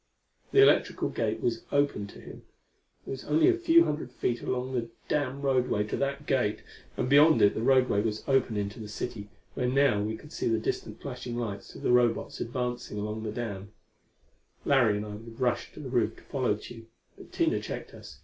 The electrical gate was open to him. It was only a few hundred feet along the dam roadway to that gate; and beyond it the roadway was open into the city, where now we could see the distant flashing lights of the Robots advancing along the dam. Larry and I would have rushed to the roof to follow Tugh, but Tina checked us.